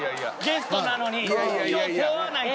ゲストなのに。